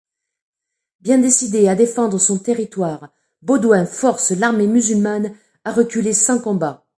Bien décidé à défendre son territoire, Baudouin force l'armée musulmane à reculer sans combat.